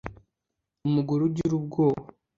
umugore agira ubwoba